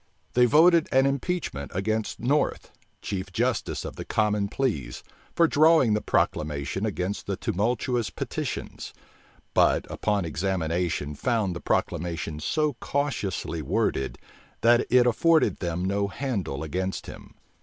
They voted an impeachment against North, chief justice of the common pleas, for drawing the proclamation against tumultuous petitions; but upon examination found the proclamation so cautiously worded, that it afforded them no handle against him.